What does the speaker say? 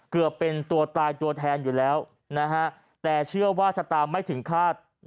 เกือบเป็นตัวตายตัวแทนอยู่แล้วแต่เชื่อว่าชะตาไม่ถึงคาด